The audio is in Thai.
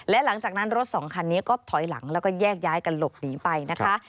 และหลังจากนั้นรถสองคันนี้ก็ถอยหลังแล้วก็แยกย้ายกันหลบหนีไปนะคะ